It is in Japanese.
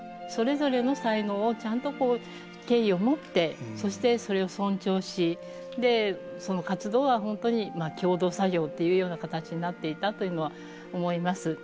それぞれの才能をちゃんと敬意を持ってそしてそれを尊重しその活動は本当に共同作業というような形になっていたというのは思います。